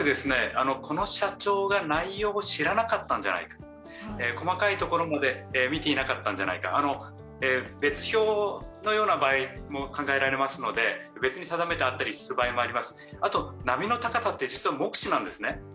恐らくこの社長が内容を知らなかったんじゃないか、細かいところまで見ていなかったんじゃないか、別表のようなものも考えられますのであと波の高さって実は目視なんですね。